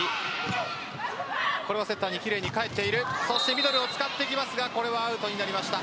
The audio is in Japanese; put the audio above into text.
ミドルを使ってきますがこれはアウトになりました。